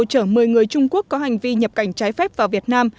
chở một mươi người trung quốc có hành vi nhập cảnh trái phép vào việt nam